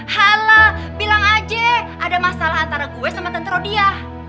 hala bilang aja ada masalah antara gue sama tante rodia